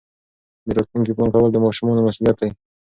د راتلونکي پلان کول د ماشومانو مسؤلیت دی.